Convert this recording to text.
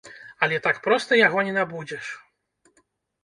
Але так проста яго не набудзеш.